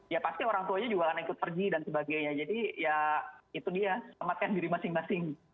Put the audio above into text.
ya pasti orang tuanya juga akan ikut pergi dan sebagainya jadi ya itu dia selamatkan diri masing masing